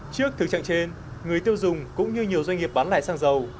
trước thực trạng trên người tiêu dùng cũng như nhiều doanh nghiệp bán lại xăng dầu